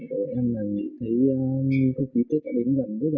gần những điều của bọn em